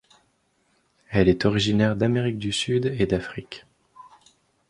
Elle est originaire d'Amérique du Sud et d'Afrique.